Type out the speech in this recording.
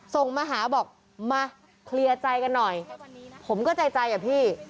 ส่งมาหาบอกมาเคลียร์ใจกันหน่อยผมก็ใจใจอ่ะพี่